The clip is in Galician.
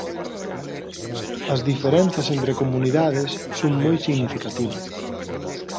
As diferenzas entre comunidades son moi significativas.